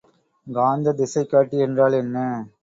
காந்தத் திசைகாட்டி என்றால் என்ன?